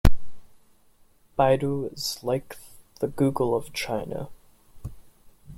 Baidu is like the Google of China.